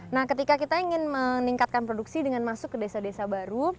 nah ketika kita ingin meningkatkan produksi dengan masuk ke desa desa baru